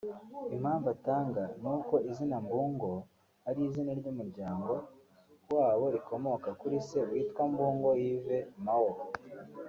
Impamvu atanga ni uko izina Mbungo ari izina ry’umuryango wabo rikomoka kuri se witwa Mbungo Yves Mao